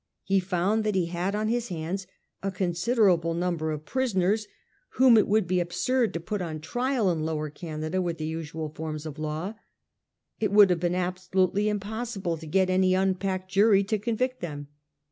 He found that he had on his hands a considerable number of prisoners whom it would be absurd to put on trial in Lower Canada with the usual forms of law. It would have been abso lutely impossible to get any unpacked jury to con vict them.